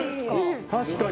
確かに。